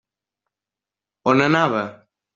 On anava?